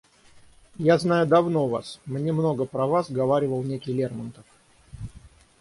Я знаю давно вас, мне много про вас говаривал некий Лермонтов.